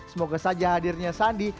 semoga saja hadirnya sandi